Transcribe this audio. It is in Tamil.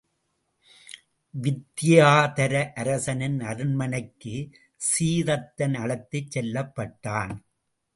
வித்தியாதர அரசனின் அரண்மனைக்குச் சீதத்தன் அழைத்துச் செல்லப்பட்டான்.